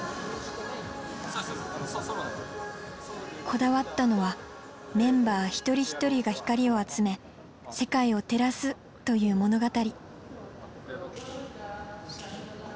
こだわったのはメンバー一人一人が光を集め世界を照らすという物語。